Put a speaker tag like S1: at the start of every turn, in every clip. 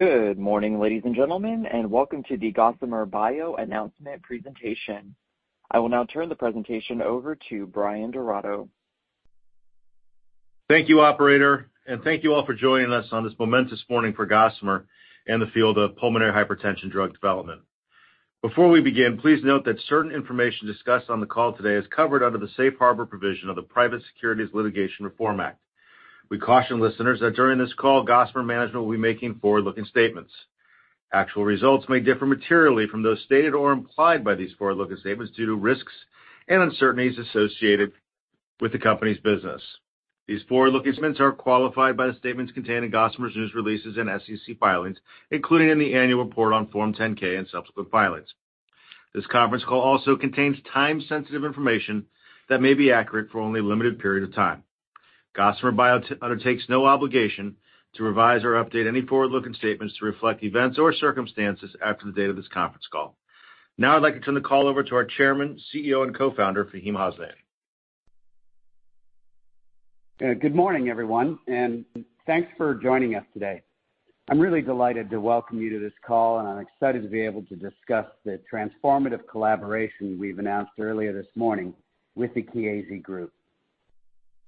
S1: Good morning, ladies and gentlemen, and welcome to the Gossamer Bio announcement presentation. I will now turn the presentation over to Bryan Giraudo.
S2: Thank you, operator, and thank you all for joining us on this momentous morning for Gossamer and the field of pulmonary hypertension drug development. Before we begin, please note that certain information discussed on the call today is covered under the Safe Harbor provision of the Private Securities Litigation Reform Act. We caution listeners that during this call Gossamer Management will be making forward-looking statements. Actual results may differ materially from those stated or implied by these forward-looking statements due to risks and uncertainties associated with the company's business. These forward-looking statements are qualified by the statements contained in Gossamer's news releases and SEC filings, including in the annual report on Form 10-K and subsequent filings. This conference call also contains time-sensitive information that may be accurate for only a limited period of time. Gossamer Bio undertakes no obligation to revise or update any forward-looking statements to reflect events or circumstances after the date of this conference call. Now I'd like to turn the call over to our Chairman, CEO, and Co-Founder, Faheem Hasnain.
S3: Good morning, everyone, and thanks for joining us today. I'm really delighted to welcome you to this call, and I'm excited to be able to discuss the transformative collaboration we've announced earlier this morning with the Chiesi Group.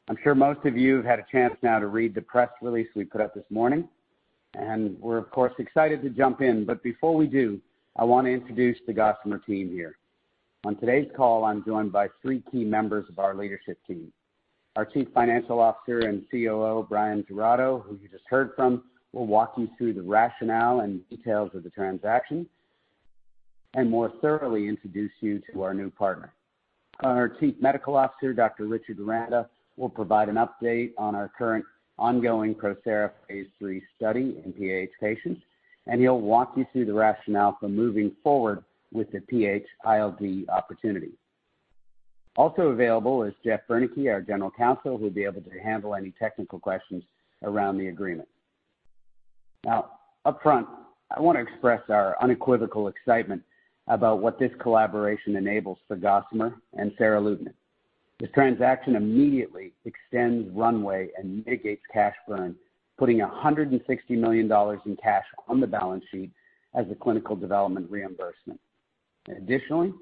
S3: I'm sure most of you have had a chance now to read the press release we put out this morning, and we're, of course, excited to jump in. But before we do, I want to introduce the Gossamer team here. On today's call, I'm joined by three key members of our leadership team. Our Chief Financial Officer and COO, Bryan Giraudo, who you just heard from, will walk you through the rationale and details of the transaction and more thoroughly introduce you to our new partner. Our Chief Medical Officer, Dr. Richard Aranda will provide an update on our current ongoing PROSERA phase 3 study in PH patients, and he'll walk you through the rationale for moving forward with the PH-ILD opportunity. Also available is Jeff Boenig, our general counsel, who'll be able to handle any technical questions around the agreement. Now, upfront, I want to express our unequivocal excitement about what this collaboration enables for Gossamer and seralutinib. This transaction immediately extends runway and mitigates cash burn, putting $160 million in cash on the balance sheet as a clinical development reimbursement. Additionally,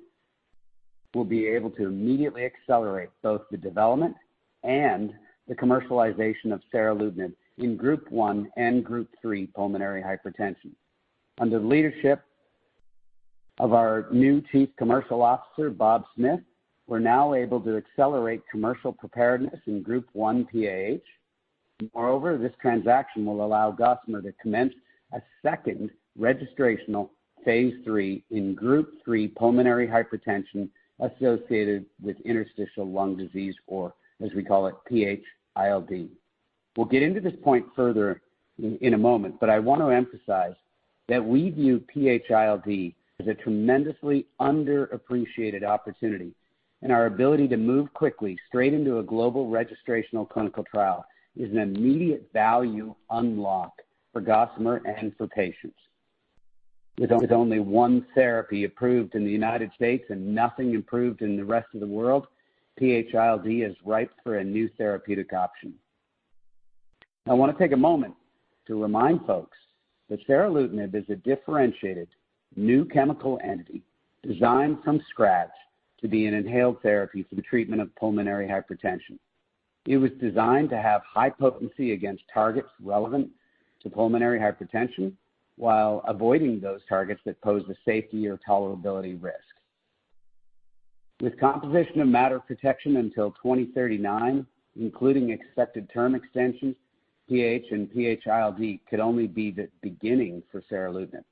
S3: we'll be able to immediately accelerate both the development and the commercialization of seralutinib in Group I and Group III pulmonary hypertension. Under the leadership of our new Chief Commercial Officer, Bob Smith, we're now able to accelerate commercial preparedness in Group I PAH. Moreover, this transaction will allow Gossamer to commence a second registrational Phase III in Group III pulmonary hypertension associated with interstitial lung disease, or as we call it, PH-ILD. We'll get into this point further in a moment, but I want to emphasize that we view PH-ILD as a tremendously underappreciated opportunity, and our ability to move quickly straight into a global registrational clinical trial is an immediate value unlock for Gossamer and for patients. With only one therapy approved in the United States and nothing approved in the rest of the world, PH-ILD is ripe for a new therapeutic option. I want to take a moment to remind folks that seralutinib is a differentiated new chemical entity designed from scratch to be an inhaled therapy for the treatment of pulmonary hypertension. It was designed to have high potency against targets relevant to pulmonary hypertension while avoiding those targets that pose a safety or tolerability risk. With composition of matter protection until 2039, including expected term extensions, PH and PH-ILD could only be the beginning for seralutinib.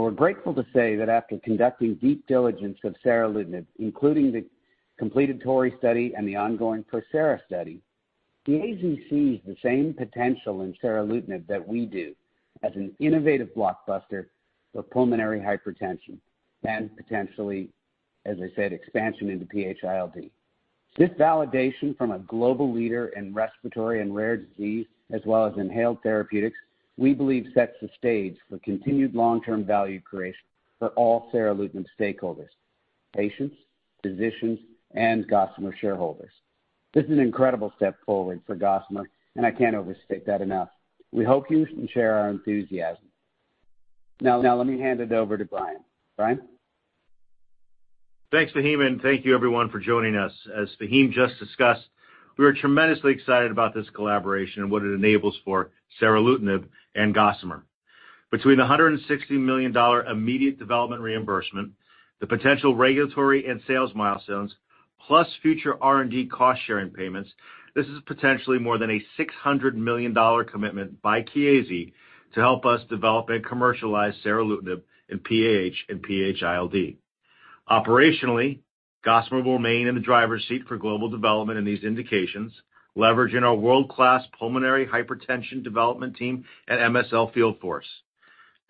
S3: We're grateful to say that after conducting deep diligence of seralutinib, including the completed TORREY study and the ongoing PROSERA study, the AZ sees the same potential in seralutinib that we do as an innovative blockbuster for pulmonary hypertension and potentially, as I said, expansion into PH-ILD. This validation from a global leader in respiratory and rare disease, as well as inhaled therapeutics, we believe sets the stage for continued long-term value creation for all seralutinib stakeholders: patients, physicians, and Gossamer shareholders. This is an incredible step forward for Gossamer, and I can't overstate that enough. We hope you can share our enthusiasm. Now, let me hand it over to Bryan. Bryan?
S2: Thanks, Faheem, and thank you, everyone, for joining us. As Faheem just discussed, we are tremendously excited about this collaboration and what it enables for seralutinib and Gossamer. Between the $160 million immediate development reimbursement, the potential regulatory and sales milestones, plus future R&D cost-sharing payments, this is potentially more than a $600 million commitment by Chiesi to help us develop and commercialize seralutinib in PAH and PH-ILD. Operationally, Gossamer will remain in the driver's seat for global development in these indications, leveraging our world-class pulmonary hypertension development team and MSL field force.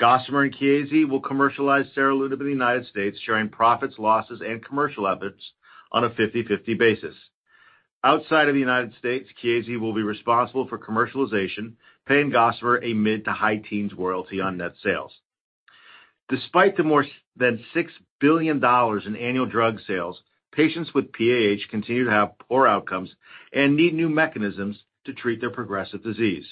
S2: Gossamer and Chiesi will commercialize seralutinib in the United States, sharing profits, losses, and commercial efforts on a 50/50 basis. Outside of the United States, Chiesi will be responsible for commercialization, paying Gossamer a mid to high teens royalty on net sales. Despite the more than $6 billion in annual drug sales, patients with PAH continue to have poor outcomes and need new mechanisms to treat their progressive disease.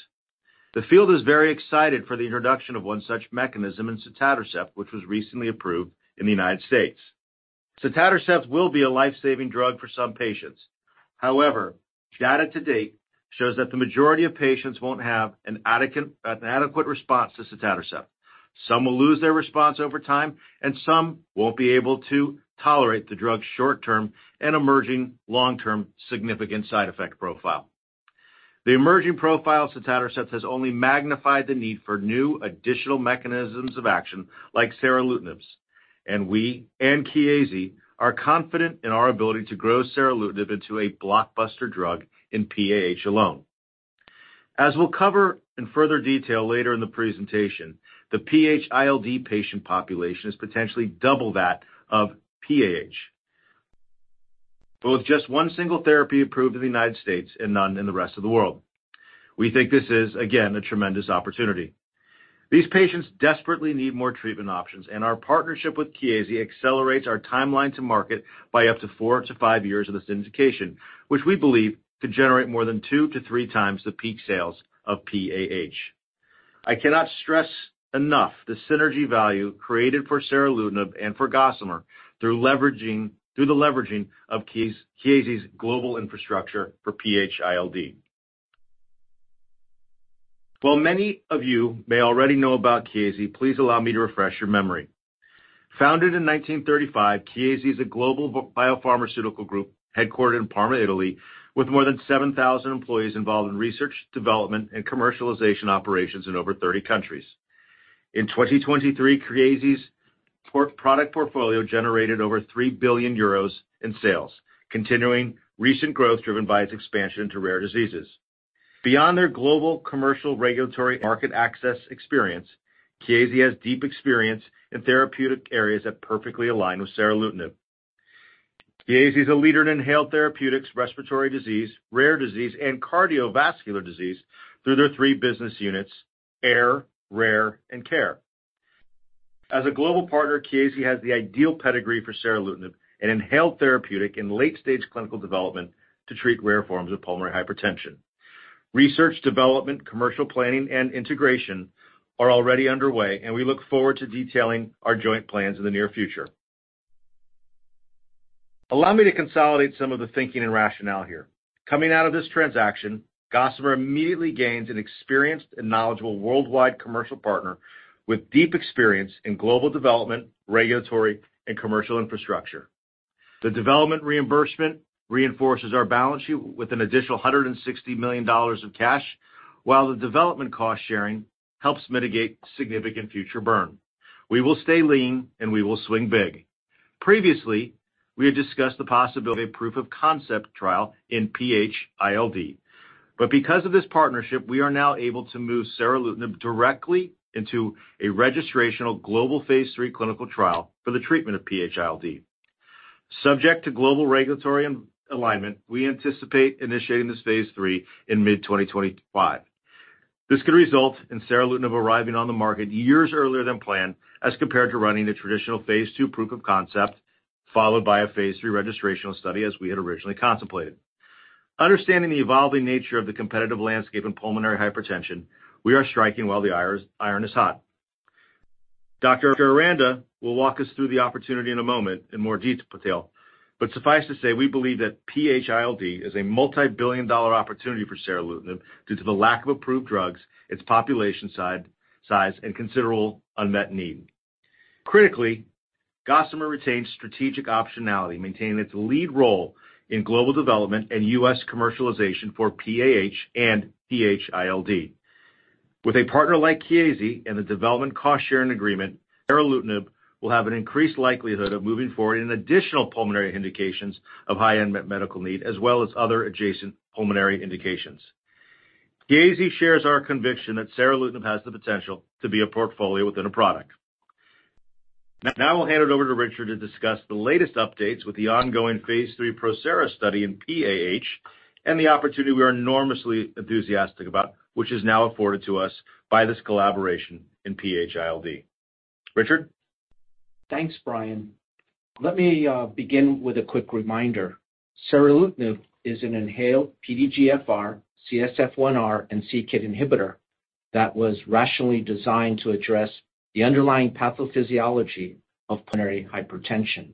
S2: The field is very excited for the introduction of one such mechanism in sotatercept, which was recently approved in the United States. Sotatercept will be a lifesaving drug for some patients. However, data to date shows that the majority of patients won't have an adequate response to sotatercept. Some will lose their response over time, and some won't be able to tolerate the drug's short-term and emerging long-term significant side effect profile. The emerging profile of sotatercept has only magnified the need for new additional mechanisms of action like seralutinib's, and we and Chiesi are confident in our ability to grow seralutinib into a blockbuster drug in PAH alone. As we'll cover in further detail later in the presentation, the PH-ILD patient population is potentially double that of PAH, but with just one single therapy approved in the United States and none in the rest of the world. We think this is, again, a tremendous opportunity. These patients desperately need more treatment options, and our partnership with Chiesi accelerates our timeline to market by up to 4-5 years of this indication, which we believe could generate more than 2-3 times the peak sales of PAH. I cannot stress enough the synergy value created for seralutinib and for Gossamer through the leveraging of Chiesi's global infrastructure for PH-ILD. While many of you may already know about Chiesi, please allow me to refresh your memory. Founded in 1935, Chiesi is a global biopharmaceutical group headquartered in Parma, Italy, with more than 7,000 employees involved in research, development, and commercialization operations in over 30 countries. In 2023, Chiesi's product portfolio generated over 3 billion euros in sales, continuing recent growth driven by its expansion into rare diseases. Beyond their global commercial regulatory market access experience, Chiesi has deep experience in therapeutic areas that perfectly align with seralutinib. Chiesi is a leader in inhaled therapeutics, respiratory disease, rare disease, and cardiovascular disease through their three business units:Air, Rare, and Care. As a global partner, Chiesi has the ideal pedigree for seralutinib, an inhaled therapeutic in late-stage clinical development to treat rare forms of pulmonary hypertension. Research, development, commercial planning, and integration are already underway, and we look forward to detailing our joint plans in the near future. Allow me to consolidate some of the thinking and rationale here. Coming out of this transaction, Gossamer immediately gains an experienced and knowledgeable worldwide commercial partner with deep experience in global development, regulatory, and commercial infrastructure. The development reimbursement reinforces our balance sheet with an additional $160 million of cash, while the development cost-sharing helps mitigate significant future burn. We will stay lean, and we will swing big. Previously, we had discussed the possibility of a proof of concept trial in PH-ILD, but because of this partnership, we are now able to move seralutinib directly into a registrational global Phase III clinical trial for the treatment of PH-ILD. Subject to global regulatory alignment, we anticipate initiating this Phase III in mid-2025. This could result in seralutinib arriving on the market years earlier than planned as compared to running a traditional phase II proof of concept followed by a phase III registrational study as we had originally contemplated. Understanding the evolving nature of the competitive landscape in pulmonary hypertension, we are striking while the iron is hot. Dr. Aranda will walk us through the opportunity in a moment in more detail, but suffice to say, we believe that PH-ILD is a multibillion-dollar opportunity for seralutinib due to the lack of approved drugs, its population size, and considerable unmet need. Critically, Gossamer retains strategic optionality, maintaining its lead role in global development and U.S. commercialization for PAH and PH-ILD. With a partner like Chiesi and the development cost-sharing agreement, seralutinib will have an increased likelihood of moving forward in additional pulmonary indications of high unmet medical need, as well as other adjacent pulmonary indications. Chiesi shares our conviction that seralutinib has the potential to be a portfolio within a product. Now I'll hand it over to Richard to discuss the latest updates with the ongoing phase 3 PROSERA study in PAH and the opportunity we are enormously enthusiastic about, which is now afforded to us by this collaboration in PH-ILD. Richard?
S4: Thanks, Bryan. Let me begin with a quick reminder. Seralutinib is an inhaled PDGFR, CSF1R, and c-KIT inhibitor that was rationally designed to address the underlying pathophysiology of pulmonary hypertension.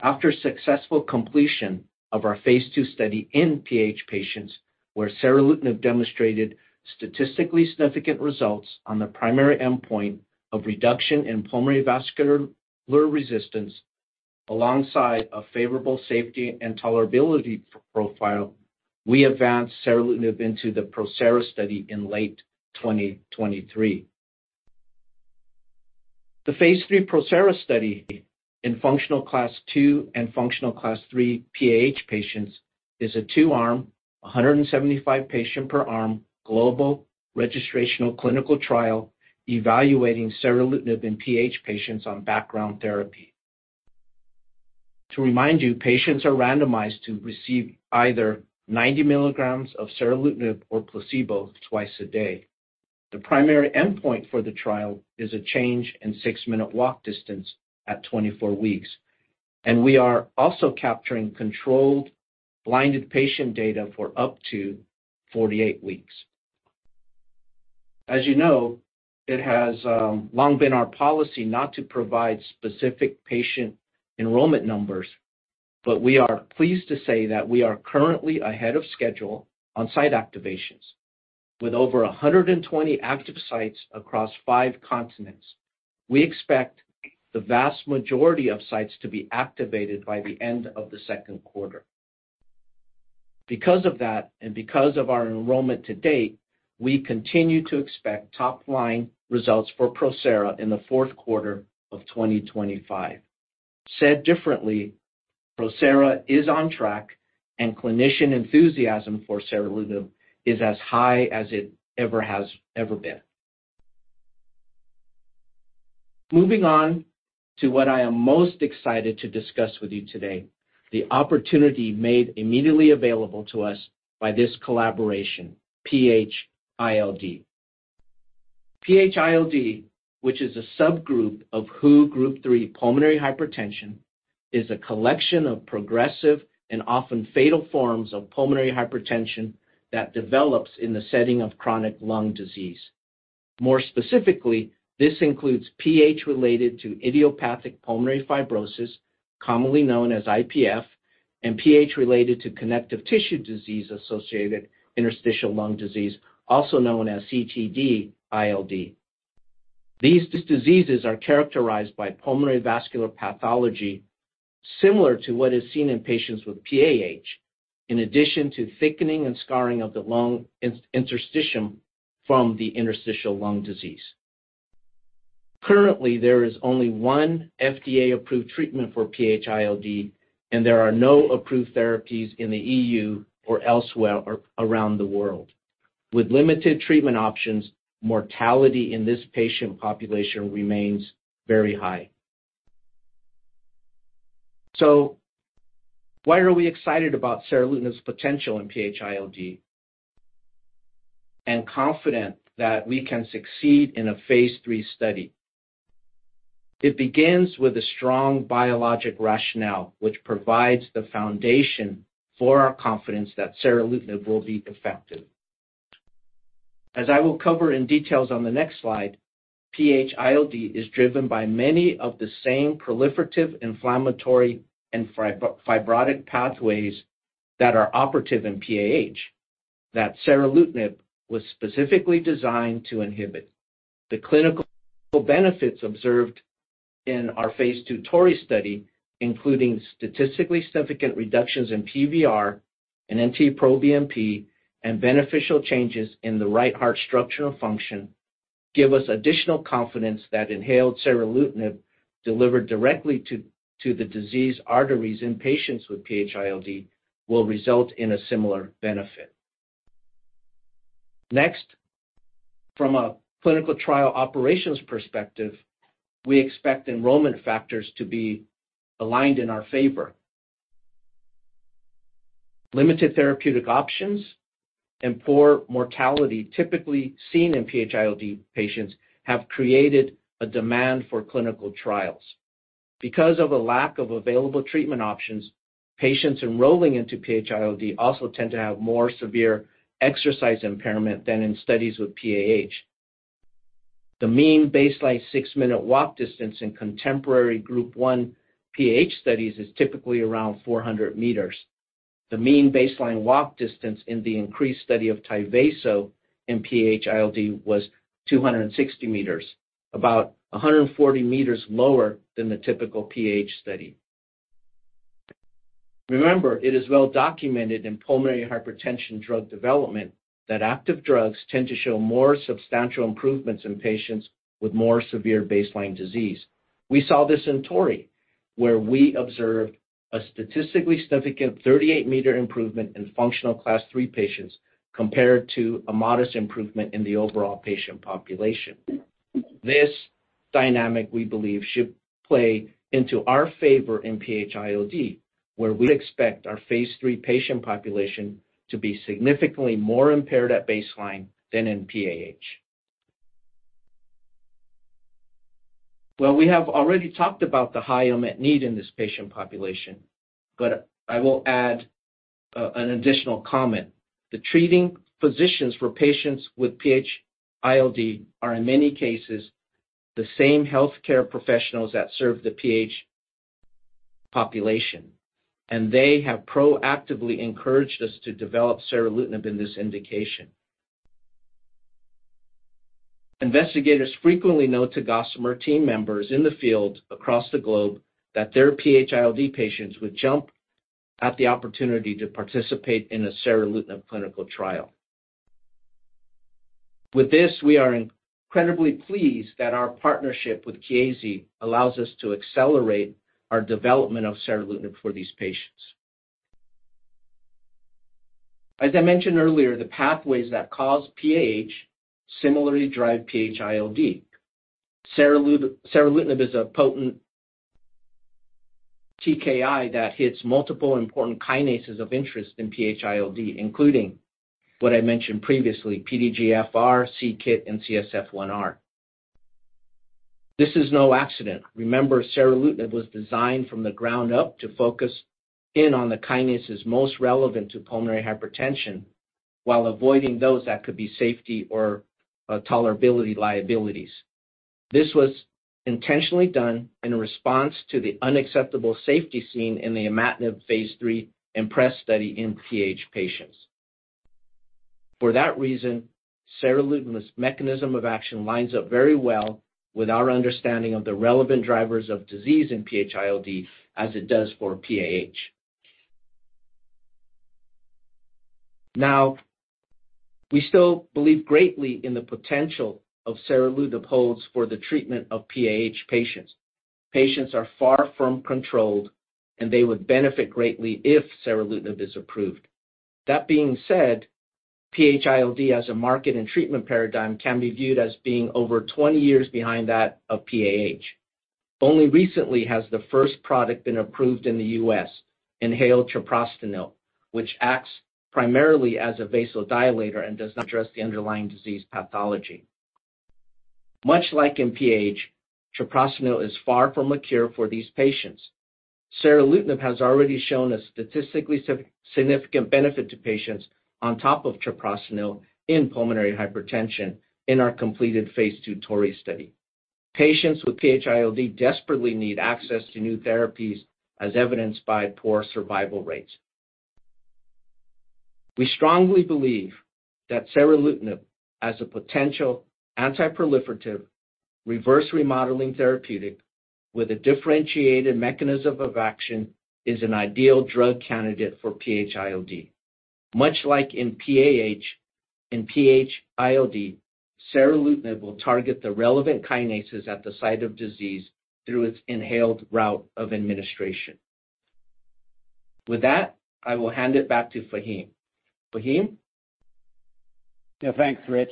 S4: After successful completion of our phase 2 study in PAH patients, where seralutinib demonstrated statistically significant results on the primary endpoint of reduction in pulmonary vascular resistance alongside a favorable safety and tolerability profile, we advanced seralutinib into the PROSERA study in late 2023. The phase 3 PROSERA study in Functional Class II and Functional Class III PAH patients is a two-arm, 175 patient per arm global registrational clinical trial evaluating seralutinib in PAH patients on background therapy. To remind you, patients are randomized to receive either 90 milligrams of seralutinib or placebo twice a day. The primary endpoint for the trial is a change in six-minute walk distance at 24 weeks, and we are also capturing controlled blinded patient data for up to 48 weeks. As you know, it has long been our policy not to provide specific patient enrollment numbers, but we are pleased to say that we are currently ahead of schedule on site activations. With over 120 active sites across five continents, we expect the vast majority of sites to be activated by the end of the second quarter. Because of that and because of our enrollment to date, we continue to expect top-line results for PROSERA in the fourth quarter of 2025. Said differently, PROSERA is on track, and clinician enthusiasm for seralutinib is as high as it ever has been. Moving on to what I am most excited to discuss with you today, the opportunity made immediately available to us by this collaboration, PH-ILD. PH-ILD, which is a subgroup of WHO Group III pulmonary hypertension, is a collection of progressive and often fatal forms of pulmonary hypertension that develops in the setting of chronic lung disease. More specifically, this includes PH-related to idiopathic pulmonary fibrosis, commonly known as IPF, and PH-related to connective tissue disease-associated interstitial lung disease, also known as CTD-ILD. These diseases are characterized by pulmonary vascular pathology similar to what is seen in patients with PAH, in addition to thickening and scarring of the lung interstitium from the interstitial lung disease. Currently, there is only one FDA-approved treatment for PH-ILD, and there are no approved therapies in the EU or elsewhere around the world. With limited treatment options, mortality in this patient population remains very high. So why are we excited about seralutinib's potential in PH-ILD and confident that we can succeed in a phase 3 study? It begins with a strong biologic rationale, which provides the foundation for our confidence that seralutinib will be effective. As I will cover in detail on the next slide, PH-ILD is driven by many of the same proliferative inflammatory and fibrotic pathways that are operative in PAH that seralutinib was specifically designed to inhibit. The clinical benefits observed in our phase 2 TORREY study, including statistically significant reductions in PVR and NT-proBNP and beneficial changes in the right heart structural function, give us additional confidence that inhaled seralutinib delivered directly to the diseased arteries in patients with PH-ILD will result in a similar benefit. Next, from a clinical trial operations perspective, we expect enrollment factors to be aligned in our favor. Limited therapeutic options and poor mortality typically seen in PH-ILD patients have created a demand for clinical trials. Because of a lack of available treatment options, patients enrolling into PH-ILD also tend to have more severe exercise impairment than in studies with PAH. The mean baseline six-minute walk distance in contemporary Group 1 PH studies is typically around 400 meters. The mean baseline walk distance in the INCREASE study of Tyvaso in PH-ILD was 260 meters, about 140 meters lower than the typical PH study. Remember, it is well documented in pulmonary hypertension drug development that active drugs tend to show more substantial improvements in patients with more severe baseline disease. We saw this in TORREY, where we observed a statistically significant 38-meter improvement in Functional Class III patients compared to a modest improvement in the overall patient population. This dynamic, we believe, should play into our favor in PH-ILD, where we expect our phase 3 patient population to be significantly more impaired at baseline than in PAH. While we have already talked about the high unmet need in this patient population, but I will add an additional comment. The treating physicians for patients with PH-ILD are, in many cases, the same healthcare professionals that serve the PH population, and they have proactively encouraged us to develop seralutinib in this indication. Investigators frequently note to Gossamer team members in the field across the globe that their PH-ILD patients would jump at the opportunity to participate in a seralutinib clinical trial. With this, we are incredibly pleased that our partnership with Chiesi allows us to accelerate our development of seralutinib for these patients. As I mentioned earlier, the pathways that cause PAH similarly drive PH-ILD. Seralutinib is a potent TKI that hits multiple important kinases of interest in PH-ILD, including what I mentioned previously, PDGFR, c-KIT, and CSF1R. This is no accident. Remember, seralutinib was designed from the ground up to focus in on the kinases most relevant to pulmonary hypertension while avoiding those that could be safety or tolerability liabilities. This was intentionally done in response to the unacceptable safety seen in the Imatinib phase 3 IMPRES study in PH patients. For that reason, seralutinib's mechanism of action lines up very well with our understanding of the relevant drivers of disease in PH-ILD as it does for PAH. Now, we still believe greatly in the potential of seralutinib holds for the treatment of PAH patients. Patients are far from controlled, and they would benefit greatly if seralutinib is approved. That being said, PH-ILD, as a market and treatment paradigm, can be viewed as being over 20 years behind that of PAH. Only recently has the first product been approved in the U.S., inhaled treprostinil, which acts primarily as a vasodilator and does not address the underlying disease pathology. Much like in PH, treprostinil is far from a cure for these patients. Seralutinib has already shown a statistically significant benefit to patients on top of treprostinil in pulmonary hypertension in our completed phase 2 TORREY study. Patients with PH-ILD desperately need access to new therapies, as evidenced by poor survival rates. We strongly believe that seralutinib, as a potential antiproliferative reverse remodeling therapeutic with a differentiated mechanism of action, is an ideal drug candidate for PH-ILD. Much like in PH-ILD, seralutinib will target the relevant kinases at the site of disease through its inhaled route of administration. With that, I will hand it back to Faheem. Faheem?
S3: Yeah, thanks, Rich.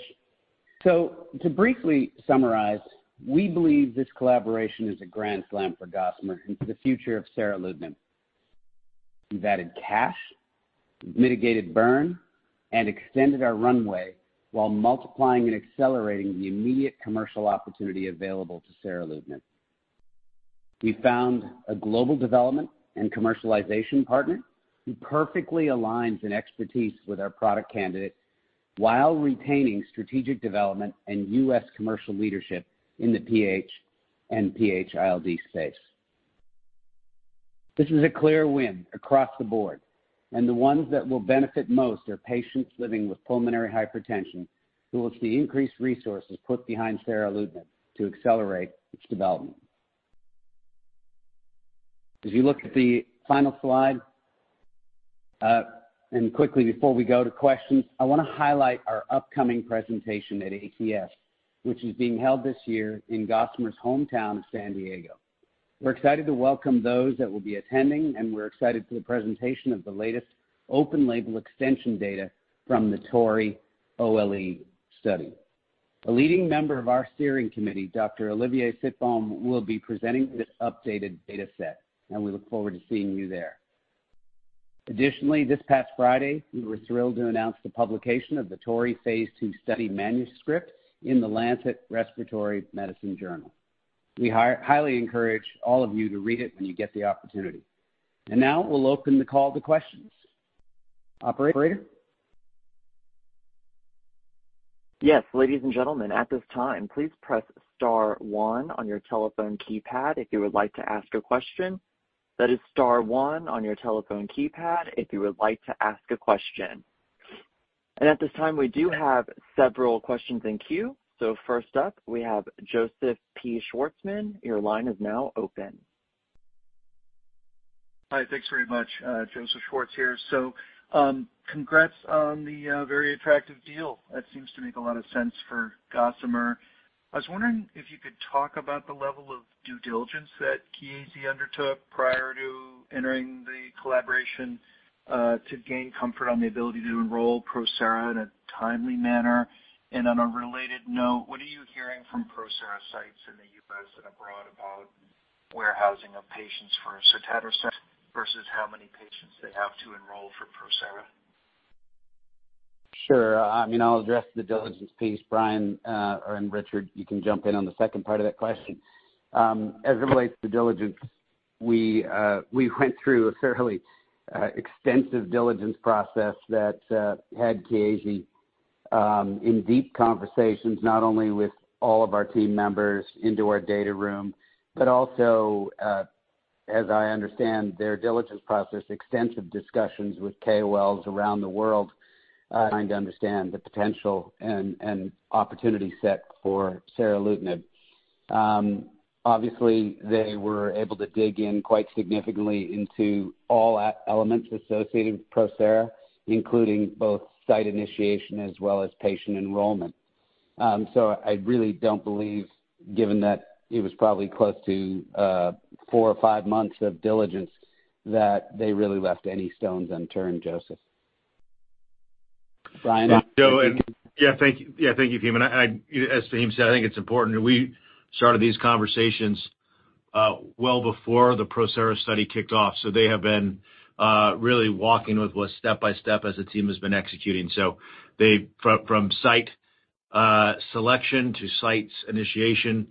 S3: So to briefly summarize, we believe this collaboration is a grand slam for Gossamer into the future of seralutinib. We've added cash, mitigated burn, and extended our runway while multiplying and accelerating the immediate commercial opportunity available to seralutinib. We found a global development and commercialization partner who perfectly aligns in expertise with our product candidate while retaining strategic development and U.S. commercial leadership in the PH and PH-ILD space. This is a clear win across the board, and the ones that will benefit most are patients living with pulmonary hypertension who will see increased resources put behind seralutinib to accelerate its development. As you look at the final slide, and quickly before we go to questions, I want to highlight our upcoming presentation at ATS, which is being held this year in Gossamer's hometown of San Diego. We're excited to welcome those that will be attending, and we're excited for the presentation of the latest open-label extension data from the TORREY OLE study. A leading member of our steering committee, Dr. Olivier Sitbon, will be presenting this updated dataset, and we look forward to seeing you there. Additionally, this past Friday, we were thrilled to announce the publication of the TORREY phase 2 study manuscript in the Lancet Respiratory Medicine Journal. We highly encourage all of you to read it when you get the opportunity. And now we'll open the call to questions. Operator?
S1: Yes, ladies and gentlemen, at this time, please press star one on your telephone keypad if you would like to ask a question. That is star one on your telephone keypad if you would like to ask a question. At this time, we do have several questions in queue. First up, we have Joseph Schwartz. Your line is now open.
S5: Hi, thanks very much. Joseph Schwartz here. So congrats on the very attractive deal. That seems to make a lot of sense for Gossamer. I was wondering if you could talk about the level of due diligence that Chiesi undertook prior to entering the collaboration to gain comfort on the ability to enroll PROSERA in a timely manner. And on a related note, what are you hearing from PROSERA sites in the U.S. and abroad about warehousing of patients for sotatercept versus how many patients they have to enroll for PROSERA?
S3: Sure. I mean, I'll address the diligence piece. Bryan and Richard, you can jump in on the second part of that question. As it relates to diligence, we went through a fairly extensive diligence process that had Chiesi in deep conversations, not only with all of our team members into our data room, but also, as I understand their diligence process, extensive discussions with KOLs around the world trying to understand the potential and opportunity set for seralutinib. Obviously, they were able to dig in quite significantly into all elements associated with PROSERA, including both site initiation as well as patient enrollment. So I really don't believe, given that it was probably close to four or five months of diligence, that they really left any stones unturned, Joseph. Bryan?
S2: Yeah, thank you, Faheem. As Faheem said, I think it's important. We started these conversations well before the PROSERA study kicked off, so they have been really walking with us step by step as the team has been executing. So from site selection to site initiation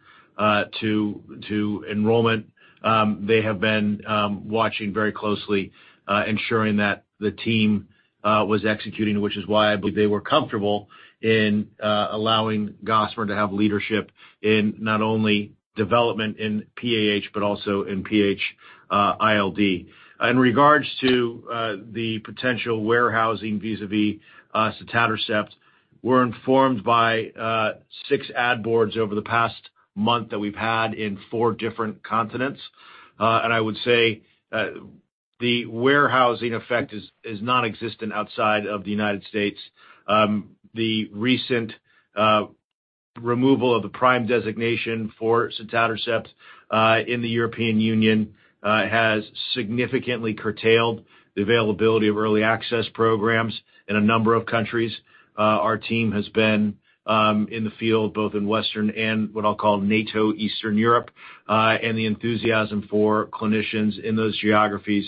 S2: to enrollment, they have been watching very closely, ensuring that the team was executing, which is why I believe they were comfortable in allowing Gossamer to have leadership in not only development in PAH but also in PH-ILD. In regards to the potential warehousing vis-à-vis sotatercept, we're informed by six ad boards over the past month that we've had in four different continents. And I would say the warehousing effect is nonexistent outside of the United States. The recent removal of the PRIME designation for sotatercept in the European Union has significantly curtailed the availability of early access programs in a number of countries. Our team has been in the field, both in Western and what I'll call NATO Eastern Europe, and the enthusiasm for clinicians in those geographies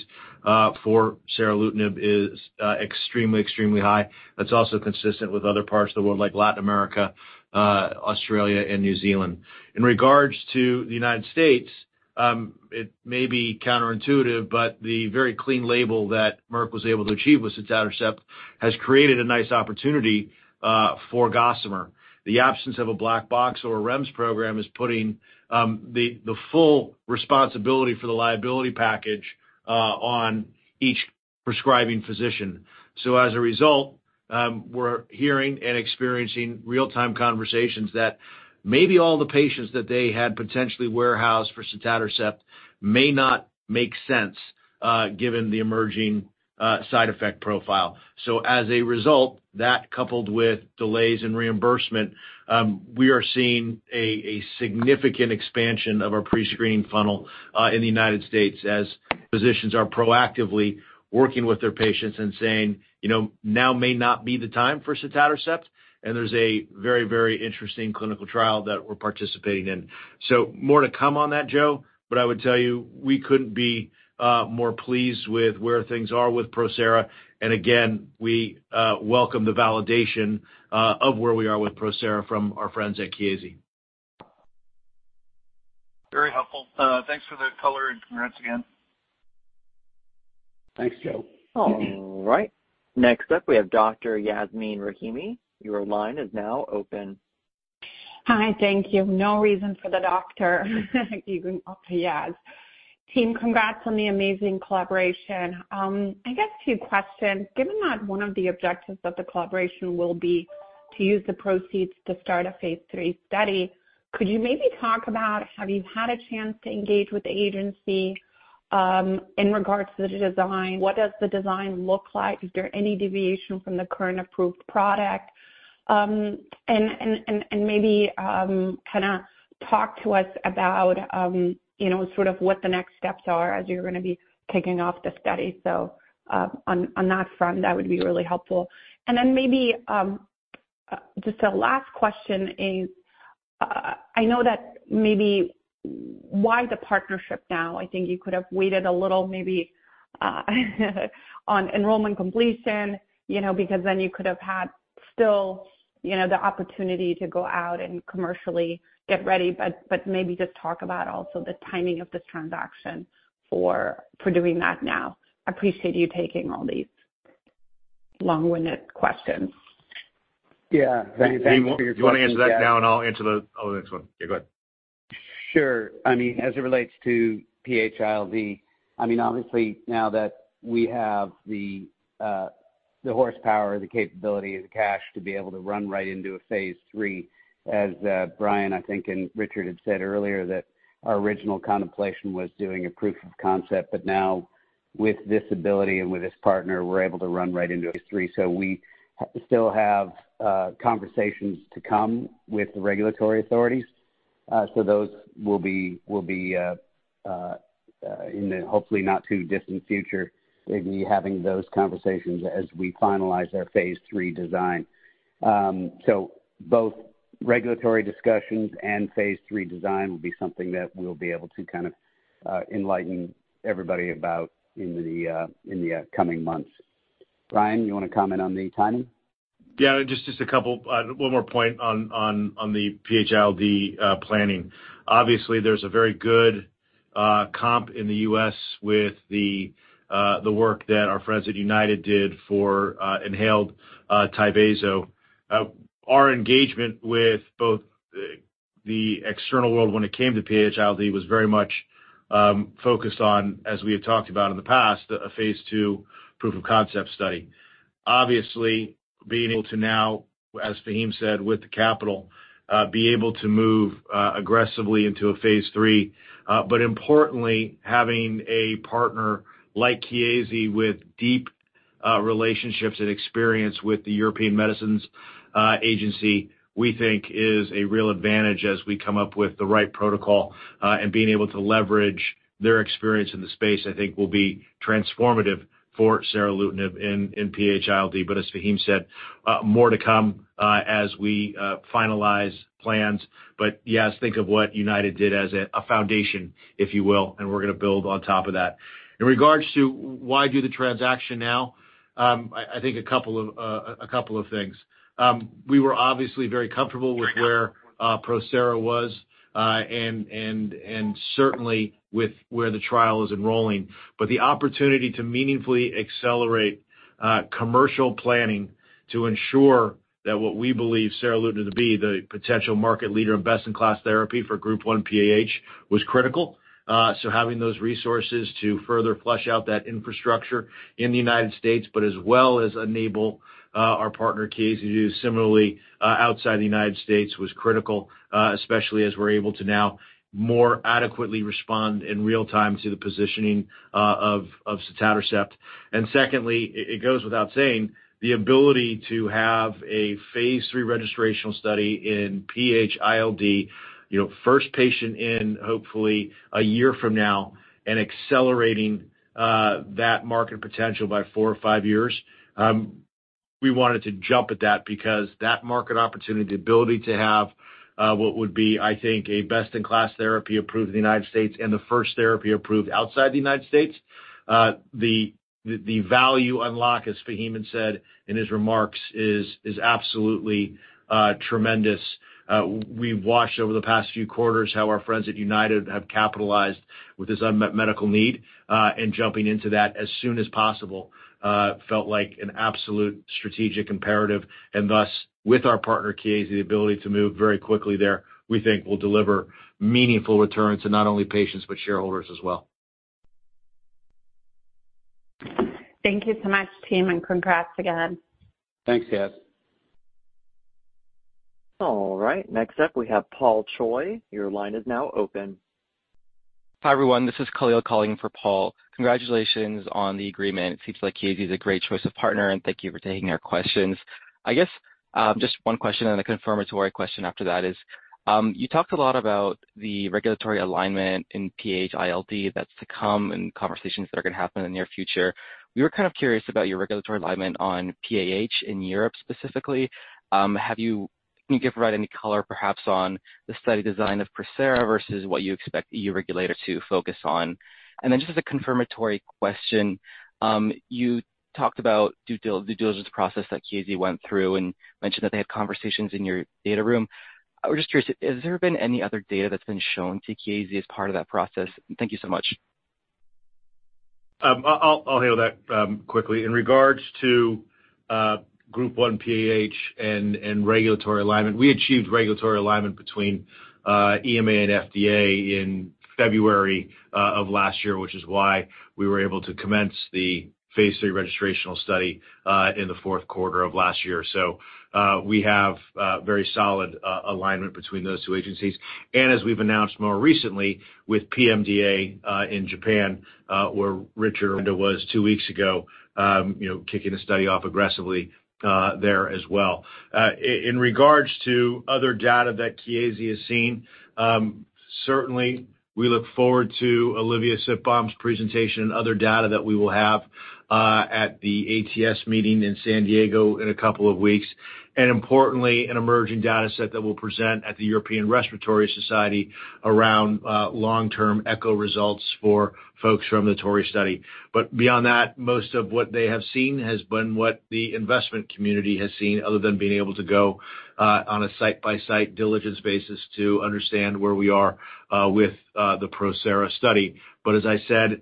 S2: for seralutinib is extremely, extremely high. That's also consistent with other parts of the world like Latin America, Australia, and New Zealand. In regards to the United States, it may be counterintuitive, but the very clean label that Merck was able to achieve with sotatercept has created a nice opportunity for Gossamer. The absence of a Black Box or a REMS Program is putting the full responsibility for the liability package on each prescribing physician. So as a result, we're hearing and experiencing real-time conversations that maybe all the patients that they had potentially warehoused for sotatercept may not make sense given the emerging side effect profile. So as a result, that coupled with delays in reimbursement, we are seeing a significant expansion of our prescreening funnel in the United States as physicians are proactively working with their patients and saying, " Now may not be the time for sotatercept, and there's a very, very interesting clinical trial that we're participating in." So more to come on that, Joe, but I would tell you we couldn't be more pleased with where things are with PROSERA. And again, we welcome the validation of where we are with PROSERA from our friends at Chiesi.
S5: Very helpful. Thanks for the color and congrats again.
S3: Thanks, Joe.
S1: All right. Next up, we have Dr. Yasmeen Rahimi. Your line is now open.
S6: Hi, thank you. No questions for the doctor. Yes. Team, congrats on the amazing collaboration. I guess a few questions. Given that one of the objectives of the collaboration will be to use the proceeds to start a phase 3 study, could you maybe talk about, have you had a chance to engage with the agency in regards to the design? What does the design look like? Is there any deviation from the current approved product? And maybe kind of talk to us about sort of what the next steps are as you're going to be kicking off the study. So on that front, that would be really helpful. And then maybe just a last question is, I know that maybe why the partnership now? I think you could have waited a little maybe on enrollment completion because then you could have had still the opportunity to go out and commercially get ready, but maybe just talk about also the timing of this transaction for doing that now. I appreciate you taking all these long-winded questions.
S3: Yeah, thank you.
S2: If you want to answer that now, and I'll answer the next one. Yeah, go ahead.
S3: Sure. I mean, as it relates to pH-ILD, I mean, obviously, now that we have the horsepower, the capability, and the cash to be able to run right into a phase III, as Bryan, I think, and Richard had said earlier, that our original contemplation was doing a proof of concept, but now with this ability and with this partner, we're able to run right into a phase III. So we still have conversations to come with the regulatory authorities. So those will be in the hopefully not too distant future. They'll be having those conversations as we finalize our phase III design. So both regulatory discussions and phase III design will be something that we'll be able to kind of enlighten everybody about in the coming months. Bryan, you want to comment on the timing?
S2: Yeah, just a couple, one more point on the PH-ILD planning. Obviously, there's a very good comp in the U.S. with the work that our friends at United did for inhaled Tyvaso. Our engagement with both the external world when it came to PH-ILD was very much focused on, as we had talked about in the past, a Phase 2 proof of concept study. Obviously, being able to now, as Faheem said, with the capital, be able to move aggressively into a Phase 3. But importantly, having a partner like Chiesi with deep relationships and experience with the European Medicines Agency, we think, is a real advantage as we come up with the right protocol. And being able to leverage their experience in the space, I think, will be transformative for seralutinib in PH-ILD. But as Faheem said, more to come as we finalize plans. But yes, think of what United did as a foundation, if you will, and we're going to build on top of that. In regards to why do the transaction now? I think a couple of things. We were obviously very comfortable with where PROSERA was and certainly with where the trial is enrolling. But the opportunity to meaningfully accelerate commercial planning to ensure that what we believe seralutinib to be the potential market leader in best-in-class therapy for Group 1 PH was critical. So having those resources to further flesh out that infrastructure in the United States, but as well as enable our partner Chiesi to do similarly outside the United States, was critical, especially as we're able to now more adequately respond in real time to the positioning of sotatercept. And secondly, it goes without saying, the ability to have a Phase 3 registrational study in PH-ILD, first patient in hopefully a year from now, and accelerating that market potential by 4 or 5 years. We wanted to jump at that because that market opportunity, the ability to have what would be, I think, a best-in-class therapy approved in the United States and the first therapy approved outside the United States, the value unlock, as Faheem had said in his remarks, is absolutely tremendous. We've watched over the past few quarters how our friends at United have capitalized with this unmet medical need, and jumping into that as soon as possible felt like an absolute strategic imperative. And thus, with our partner Chiesi, the ability to move very quickly there, we think, will deliver meaningful returns to not only patients but shareholders as well.
S6: Thank you so much, team, and congrats again.
S3: Thanks, Yas.
S1: All right. Next up, we have Paul Choi. Your line is now open.
S7: Hi, everyone. This is Khalil calling for Paul. Congratulations on the agreement. It seems like Chiesi is a great choice of partner, and thank you for taking our questions. I guess just one question, and then a confirmatory question after that is, you talked a lot about the regulatory alignment in PH-ILD that's to come and conversations that are going to happen in the near future. We were kind of curious about your regulatory alignment on PAH in Europe specifically. Can you provide any color, perhaps, on the study design of PROSERA versus what you expect EU regulators to focus on? And then just as a confirmatory question, you talked about the due diligence process that Chiesi went through and mentioned that they had conversations in your data room. We're just curious, has there been any other data that's been shown to Chiesi as part of that process? Thank you so much.
S2: I'll handle that quickly. In regards to Group 1 PH and regulatory alignment, we achieved regulatory alignment between EMA and FDA in February of last year, which is why we were able to commence the phase 3 registrational study in the fourth quarter of last year. So we have very solid alignment between those two agencies. And as we've announced more recently with PMDA in Japan, where Richard Aranda was two weeks ago, kicking the study off aggressively there as well. In regards to other data that Chiesi has seen, certainly, we look forward to Olivier Sitbon's presentation and other data that we will have at the ATS meeting in San Diego in a couple of weeks. And importantly, an emerging data set that we'll present at the European Respiratory Society around long-term echo results for folks from the TORREY study. Beyond that, most of what they have seen has been what the investment community has seen, other than being able to go on a site-by-site diligence basis to understand where we are with the PROSERA study. But as I said,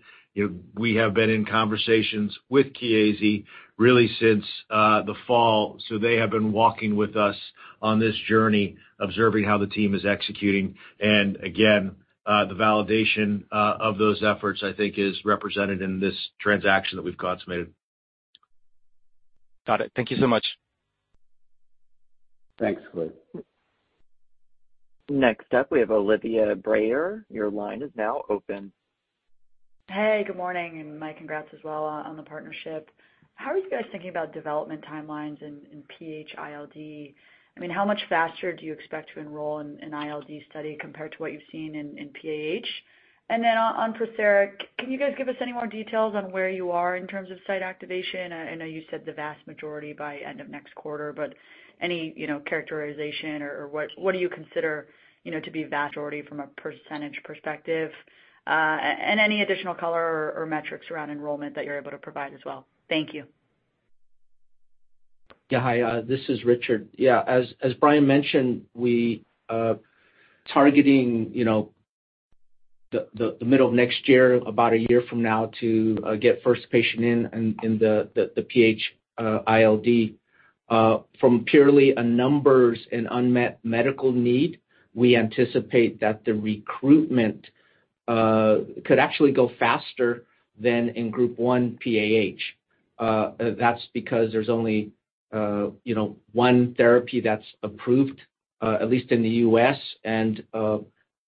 S2: we have been in conversations with Chiesi really since the fall, so they have been walking with us on this journey, observing how the team is executing. And again, the validation of those efforts, I think, is represented in this transaction that we've consummated.
S7: Got it. Thank you so much.
S3: Thanks, Chloe.
S1: Next up, we have Olivia Brayer. Your line is now open.
S8: Hey, good morning, and my congrats as well on the partnership. How are you guys thinking about development timelines in PH-ILD? I mean, how much faster do you expect to enroll in an ILD study compared to what you've seen in pAH? And then on PROSERA, can you guys give us any more details on where you are in terms of site activation? I know you said the vast majority by end of next quarter, but any characterization or what do you consider to be vast majority from a percentage perspective? And any additional color or metrics around enrollment that you're able to provide as well? Thank you.
S4: Yeah, hi. This is Richard. Yeah, as Bryan mentioned, we're targeting the middle of next year, about a year from now, to get first patient in the PH-ILD. From purely a numbers and unmet medical need, we anticipate that the recruitment could actually go faster than in Group 1 PAH. That's because there's only one therapy that's approved, at least in the U.S.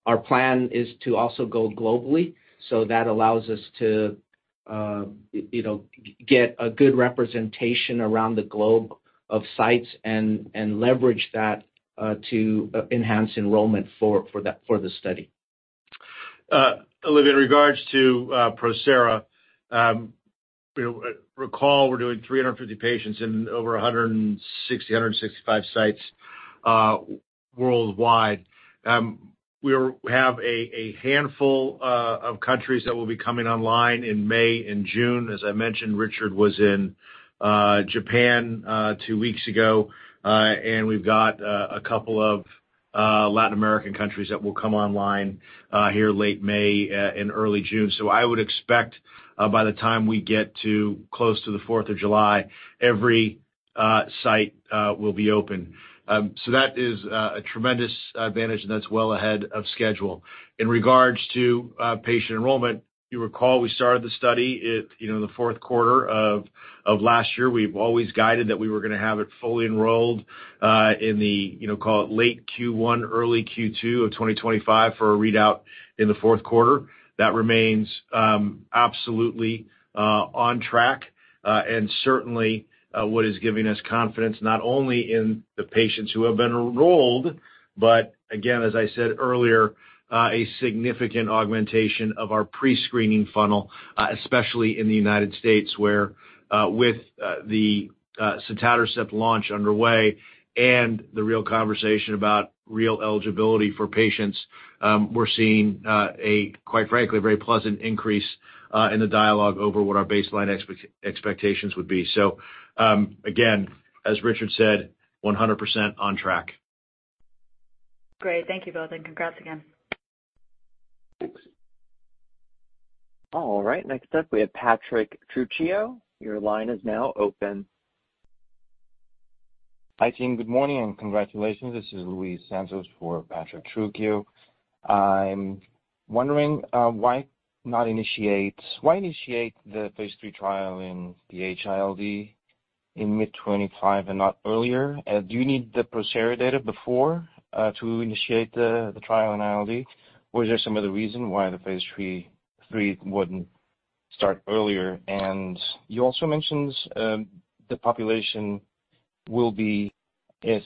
S4: Our plan is to also go globally, so that allows us to get a good representation around the globe of sites and leverage that to enhance enrollment for the study.
S2: Olivia, in regards to PROSERA, recall we're doing 350 patients in over 160, 165 sites worldwide. We have a handful of countries that will be coming online in May and June. As I mentioned, Richard was in Japan two weeks ago, and we've got a couple of Latin American countries that will come online here late May and early June. So I would expect by the time we get close to the 4th of July, every site will be open. So that is a tremendous advantage, and that's well ahead of schedule. In regards to patient enrollment, you recall we started the study in the fourth quarter of last year. We've always guided that we were going to have it fully enrolled in the, call it, late Q1, early Q2 of 2025 for a readout in the fourth quarter. That remains absolutely on track and certainly what is giving us confidence, not only in the patients who have been enrolled, but again, as I said earlier, a significant augmentation of our prescreening funnel, especially in the United States, where with the sotatercept launch underway and the real conversation about real eligibility for patients, we're seeing a, quite frankly, very pleasant increase in the dialogue over what our baseline expectations would be. So again, as Richard said, 100% on track.
S8: Great. Thank you both, and congrats again.
S3: Thanks.
S1: All right. Next up, we have Patrick Trucchio. Your line is now open.
S4: Hi, team. Good morning and congratulations. This is Luis Santos for Patrick Trucchio. I'm wondering why not initiate the phase 3 trial in PH-ILD in mid-2025 and not earlier? Do you need the PROSERA data before to initiate the trial in ILD, or is there some other reason why the phase 3 wouldn't start earlier? And you also mentioned the population will be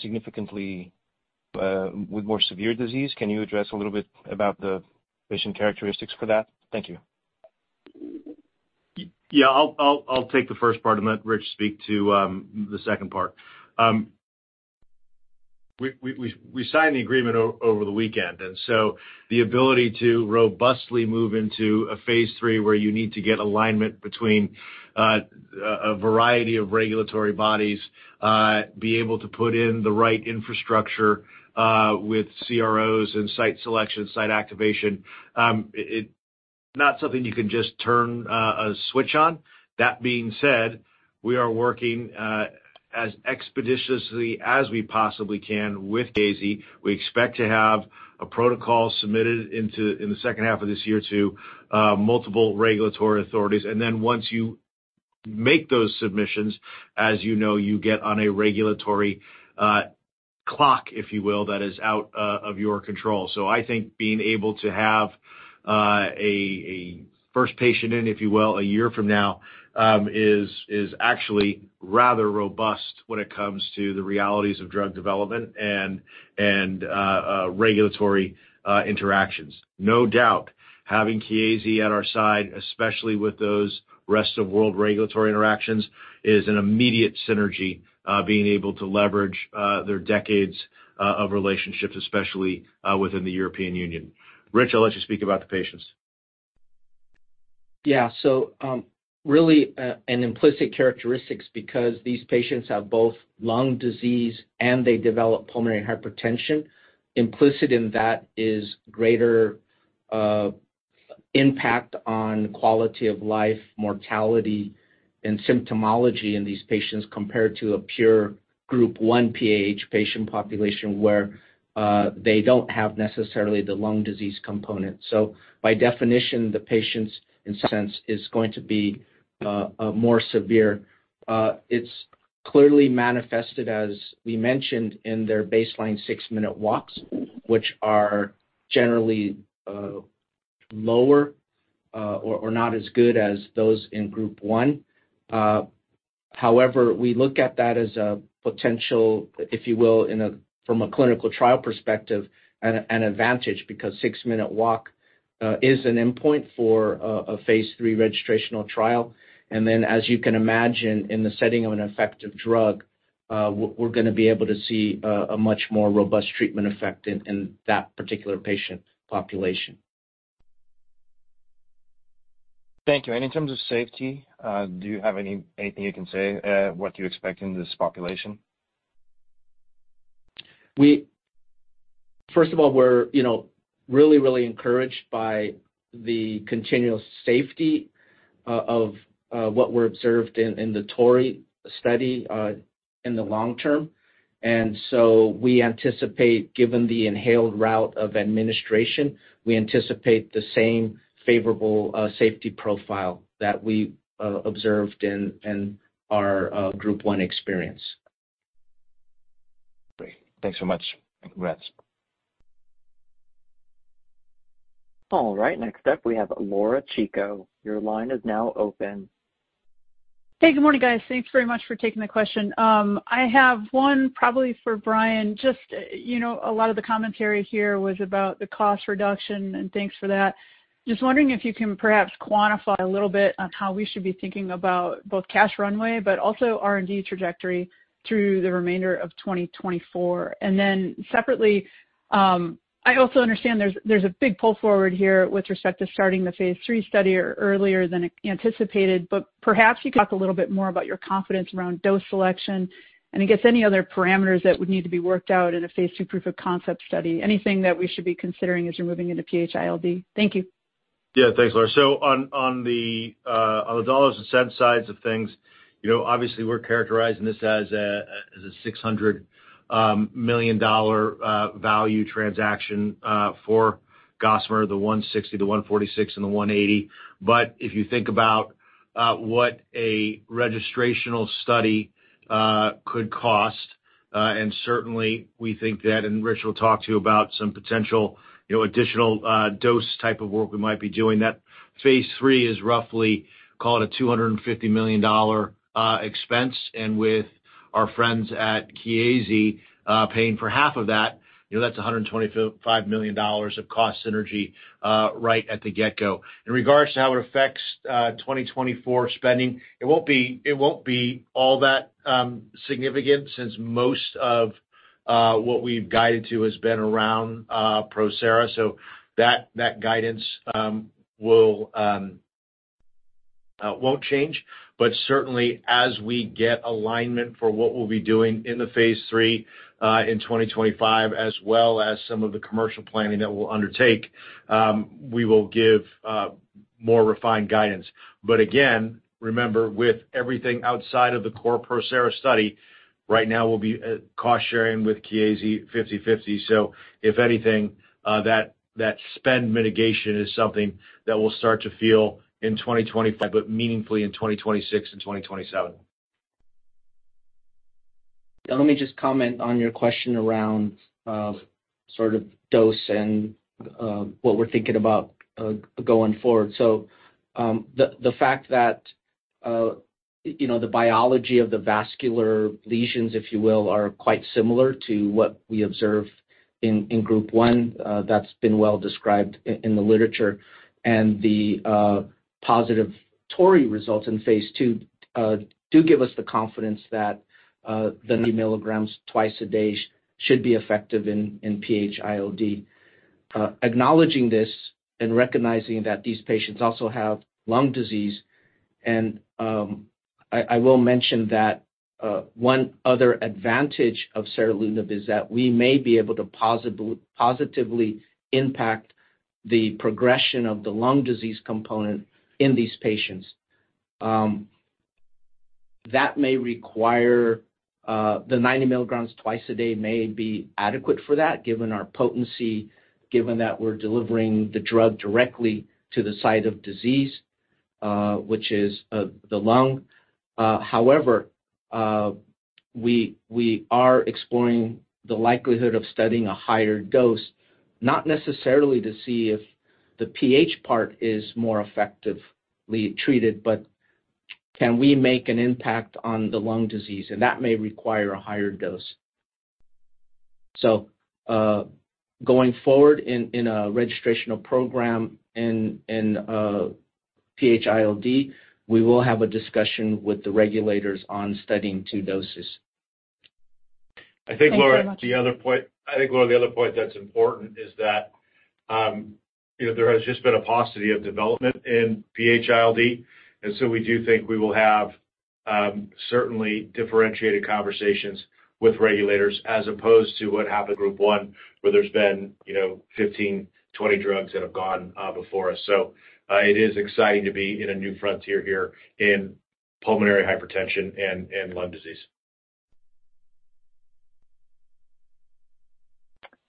S4: significantly with more severe disease. Can you address a little bit about the patient characteristics for that? Thank you.
S2: Yeah, I'll take the first part, and let Rich speak to the second part. We signed the agreement over the weekend, and so the ability to robustly move into a Phase III where you need to get alignment between a variety of regulatory bodies, be able to put in the right infrastructure with CROs and site selection, site activation, it's not something you can just turn a switch on. That being said, we are working as expeditiously as we possibly can with Chiesi. We expect to have a protocol submitted in the second half of this year to multiple regulatory authorities. And then once you make those submissions, as you know, you get on a regulatory clock, if you will, that is out of your control. So I think being able to have a first patient in, if you will, a year from now is actually rather robust when it comes to the realities of drug development and regulatory interactions. No doubt, having Chiesi at our side, especially with those rest-of-world regulatory interactions, is an immediate synergy, being able to leverage their decades of relationships, especially within the European Union. Rich, I'll let you speak about the patients.
S4: Yeah. So really, an implicit characteristic is because these patients have both lung disease and they develop pulmonary hypertension. Implicit in that is greater impact on quality of life, mortality, and symptomology in these patients compared to a pure Group 1 PH patient population where they don't have necessarily the lung disease component. So by definition, the patient's, in some sense, is going to be more severe. It's clearly manifested, as we mentioned, in their baseline six-minute walks, which are generally lower or not as good as those in Group 1. However, we look at that as a potential, if you will, from a clinical trial perspective, an advantage because six-minute walk is an endpoint for a phase 3 registrational trial. And then, as you can imagine, in the setting of an effective drug, we're going to be able to see a much more robust treatment effect in that particular patient population.
S7: Thank you. In terms of safety, do you have anything you can say, what you expect in this population?
S4: First of all, we're really, really encouraged by the continuous safety of what we've observed in the TORREY study in the long term. And so we anticipate, given the inhaled route of administration, we anticipate the same favorable safety profile that we observed in our Group 1 experience.
S7: Great. Thanks so much, and congrats.
S1: All right. Next up, we have Laura Chico. Your line is now open.
S9: Hey, good morning, guys. Thanks very much for taking the question. I have one, probably for Brian. Just a lot of the commentary here was about the cost reduction, and thanks for that. Just wondering if you can perhaps quantify a little bit on how we should be thinking about both cash runway but also R&D trajectory through the remainder of 2024. And then separately, I also understand there's a big pull forward here with respect to starting the Phase 3 study earlier than anticipated. But perhaps you could talk a little bit more about your confidence around dose selection and, I guess, any other parameters that would need to be worked out in a Phase 2 proof of concept study, anything that we should be considering as we're moving into PH-ILD. Thank you.
S2: Yeah, thanks, Laura. So on the dollars and cents sides of things, obviously, we're characterizing this as a $600 million value transaction for Gossamer, the 160, the 146, and the 180. But if you think about what a registrational study could cost, and certainly, we think that, and Rich will talk to you about some potential additional dose type of work we might be doing, that Phase 3 is roughly, call it, a $250 million expense. And with our friends at KAZ paying for half of that, that's $125 million of cost synergy right at the get-go. In regards to how it affects 2024 spending, it won't be all that significant since most of what we've guided to has been around PROSERA. So that guidance won't change. But certainly, as we get alignment for what we'll be doing in the Phase III in 2025, as well as some of the commercial planning that we'll undertake, we will give more refined guidance. But again, remember, with everything outside of the core PROSERA study, right now, we'll be cost-sharing with Chiesi 50/50. So if anything, that spend mitigation is something that we'll start to feel in 2025, but meaningfully in 2026 and 2027.
S4: Yeah, let me just comment on your question around sort of dose and what we're thinking about going forward. So the fact that the biology of the vascular lesions, if you will, are quite similar to what we observe in Group 1, that's been well described in the literature. And the positive TORREY results in Phase 2 do give us the confidence that the 90 milligrams twice a day should be effective in PH-ILD. Acknowledging this and recognizing that these patients also have lung disease, and I will mention that one other advantage of seralutinib is that we may be able to positively impact the progression of the lung disease component in these patients. The 90 milligrams twice a day may be adequate for that, given our potency, given that we're delivering the drug directly to the site of disease, which is the lung. However, we are exploring the likelihood of studying a higher dose, not necessarily to see if the PH part is more effectively treated, but can we make an impact on the lung disease? And that may require a higher dose. So going forward in a registrational program in PH-ILD, we will have a discussion with the regulators on studying two doses.
S2: I think, Laura, the other point that's important is that there has just been a paucity of development in PH-ILD. And so we do think we will have, certainly, differentiated conversations with regulators as opposed to what happened in Group 1, where there's been 15, 20 drugs that have gone before us. So it is exciting to be in a new frontier here in pulmonary hypertension and lung disease.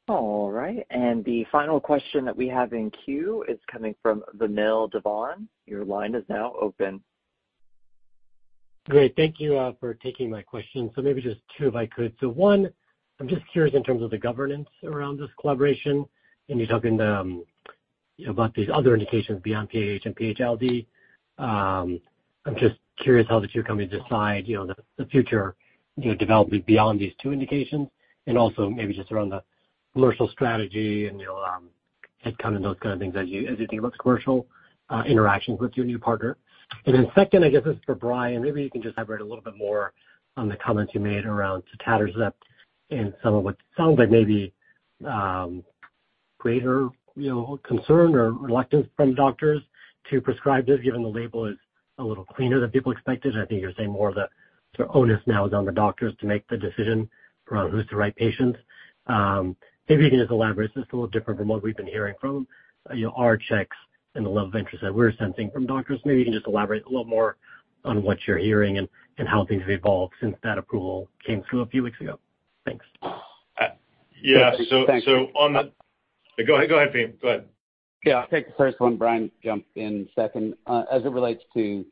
S1: All right. And the final question that we have in queue is coming from Vamil Divan. Your line is now open.
S10: Great. Thank you for taking my question. So maybe just two, if I could. So one, I'm just curious in terms of the governance around this collaboration. And you're talking about these other indications beyond PAH and PH-ILD. I'm just curious how the two companies decide the future development beyond these two indications and also maybe just around the commercial strategy and headcount and those kind of things as you think about the commercial interactions with your new partner. And then second, I guess this is for Bryan, maybe you can just elaborate a little bit more on the comments you made around sotatercept and some of what sounds like maybe greater concern or reluctance from doctors to prescribe this, given the label is a little cleaner than people expected. I think you're saying more of the sort of onus now is on the doctors to make the decision around who's the right patients. Maybe you can just elaborate. This is a little different from what we've been hearing from our checks and the level of interest that we're sensing from doctors. Maybe you can just elaborate a little more on what you're hearing and how things have evolved since that approval came through a few weeks ago. Thanks.
S2: Yeah. So, on the go-ahead, Faheem. Go ahead.
S3: Yeah. Take the first one. Bryan jumped in second. As it relates to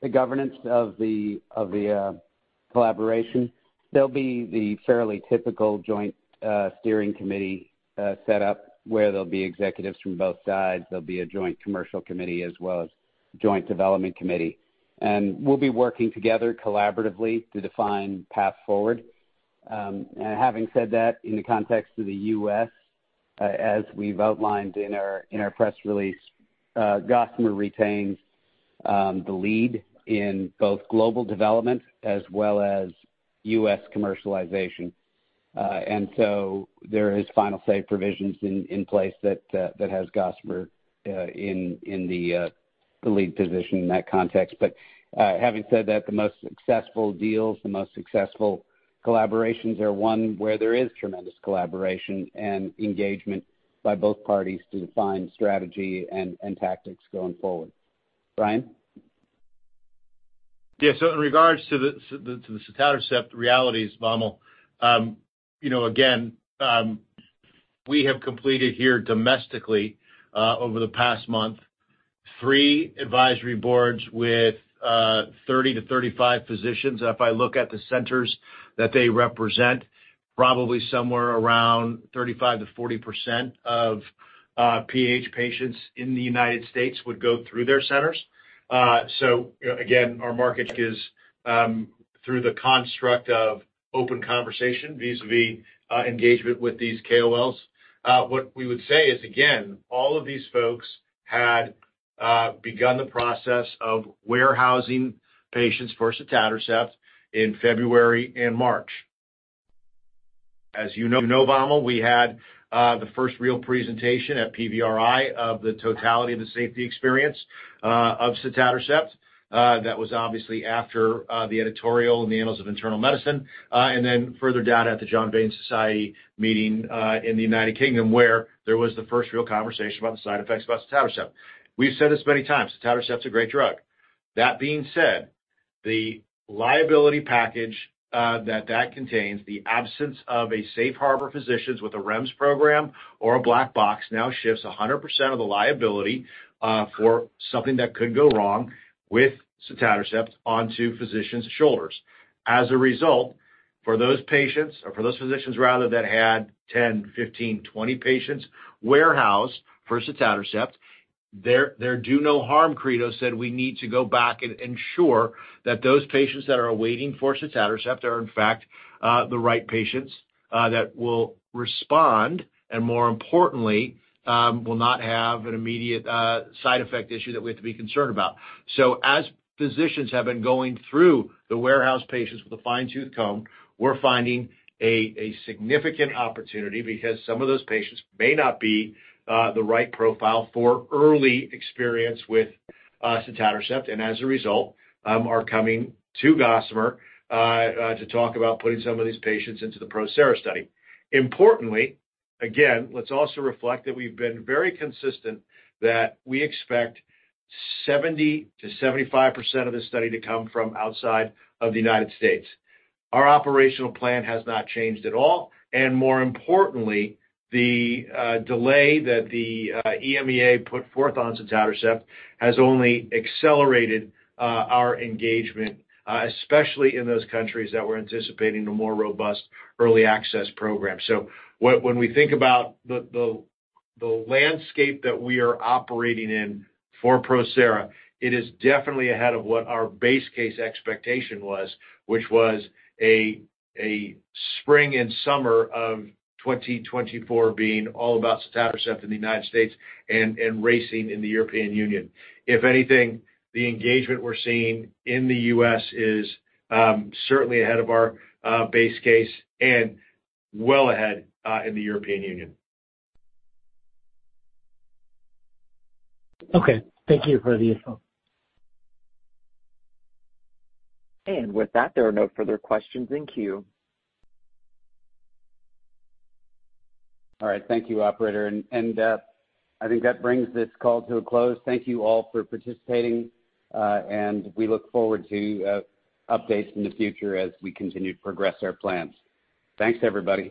S3: the governance of the collaboration, there'll be the fairly typical joint steering committee setup where there'll be executives from both sides. There'll be a joint commercial committee as well as joint development committee. And we'll be working together collaboratively to define path forward. And having said that, in the context of the U.S., as we've outlined in our press release, Gossamer retains the lead in both global development as well as U.S. commercialization. And so there are final say provisions in place that has Gossamer in the lead position in that context. But having said that, the most successful deals, the most successful collaborations are one where there is tremendous collaboration and engagement by both parties to define strategy and tactics going forward. Bryan?
S2: Yeah. So in regards to the sotatercept realities, Vamil, again, we have completed here domestically over the past month 3 advisory boards with 30-35 physicians. And if I look at the centers that they represent, probably somewhere around 35%-40% of PH patients in the United States would go through their centers. So again, our market is through the construct of open conversation vis-à-vis engagement with these KOLs. What we would say is, again, all of these folks had begun the process of warehousing patients for sotatercept in February and March. As you know, Vamil, we had the first real presentation at PVRI of the totality of the safety experience of sotatercept. That was obviously after the editorial in the Annals of Internal Medicine and then further down at the John Vane Society meeting in the United Kingdom where there was the first real conversation about the side effects about sotatercept. We've said this many times. Sotatercept's a great drug. That being said, the liability package that that contains, the absence of a safe harbor physicians with a REMS program or a black box now shifts 100% of the liability for something that could go wrong with sotatercept onto physicians' shoulders. As a result, for those patients or for those physicians, rather, that had 10, 15, 20 patients warehoused for sotatercept, their do-no-harm credo said we need to go back and ensure that those patients that are awaiting for sotatercept are, in fact, the right patients that will respond and, more importantly, will not have an immediate side effect issue that we have to be concerned about. So as physicians have been going through the warehouse patients with a fine-tooth comb, we're finding a significant opportunity because some of those patients may not be the right profile for early experience with sotatercept and, as a result, are coming to Gossamer to talk about putting some of these patients into the Prosera Study. Importantly, again, let's also reflect that we've been very consistent that we expect 70%-75% of this study to come from outside of the United States. Our operational plan has not changed at all. And more importantly, the delay that the EMEA put forth on sotatercept has only accelerated our engagement, especially in those countries that we're anticipating a more robust early access program. So when we think about the landscape that we are operating in for PROSERA, it is definitely ahead of what our base case expectation was, which was a spring and summer of 2024 being all about sotatercept in the United States and sotatercept in the European Union. If anything, the engagement we're seeing in the US is certainly ahead of our base case and well ahead in the European Union.
S10: Okay. Thank you for the info.
S1: With that, there are no further questions in queue.
S3: All right. Thank you, operator. I think that brings this call to a close. Thank you all for participating. We look forward to updates in the future as we continue to progress our plans. Thanks, everybody.